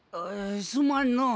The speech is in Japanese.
すまんのう。